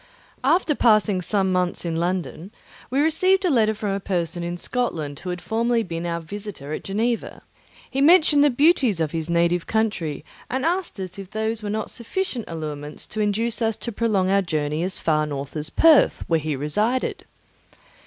After passing some months in London, we received a letter from a person in Scotland who had formerly been our visitor at Geneva. He mentioned the beauties of his native country and asked us if those were not sufficient allurements to induce us to prolong our journey as far north as Perth, where he resided.